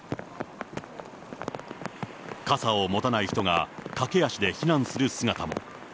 傘を持たない人が、駆け足で避難する姿も。